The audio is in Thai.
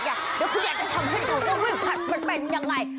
เดี๋ยวคุณอยากจะทำให้ดูว่าผัดมันเป็นยังไง